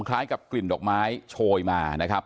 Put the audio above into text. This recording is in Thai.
คล้ายกับกลิ่นดอกไม้โชยมานะครับ